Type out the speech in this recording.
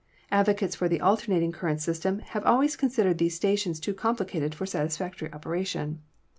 Advocates of the alternating current system have always considered these stations too complicated for satisfactory operation.